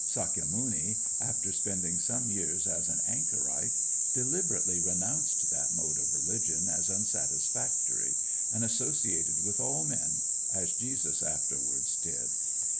Sakya muni, after spending some years as an anchorite, deliberately renounced that mode of religion as unsatisfactory, and associated with all men, as Jesus afterward did.